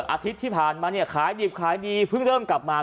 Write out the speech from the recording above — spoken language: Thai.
อาทิตย์ที่ผ่านมาขายดีพึ่งเริ่มกลับมา